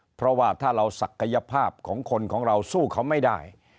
เพราะว่าถ้าเราศักยภาพของคนของเราสู้เขาไม่ได้